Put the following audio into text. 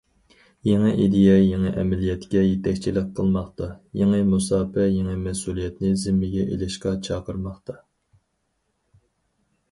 يېڭى ئىدىيە يېڭى ئەمەلىيەتكە يېتەكچىلىك قىلماقتا، يېڭى مۇساپە يېڭى مەسئۇلىيەتنى زىممىگە ئېلىشقا چاقىرماقتا.